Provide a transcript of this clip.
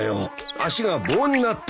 足が棒になった。